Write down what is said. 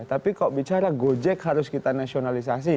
tapi kalau bicara gojek harus kita nasionalisasi